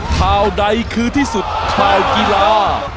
ข่าวใดคือที่สุดข่าวกีฬา